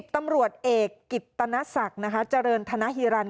๑๐ตำรวจเอกกิตตนศักดิ์จริงธนฮิรันท์